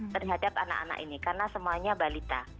terhadap anak anak ini karena semuanya balita